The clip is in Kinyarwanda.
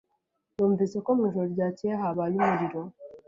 Numvise ko mwijoro ryakeye habaye umuriro.